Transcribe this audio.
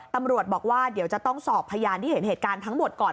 ตำรวจบอกว่าเดี๋ยวจะต้องสอบพยานที่เห็นเหตุการณ์ทั้งหมดก่อน